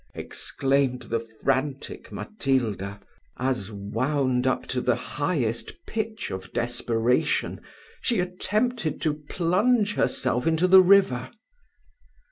exclaimed the frantic Matilda, as, wound up to the highest pitch of desperation, she attempted to plunge herself into the river.